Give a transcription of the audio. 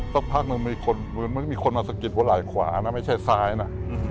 ต้องพักหนึ่งมีคนมีคนมาสกิดว่าไหล่ขวาไม่ใช่ซ้ายนะ